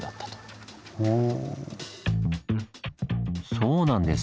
そうなんです。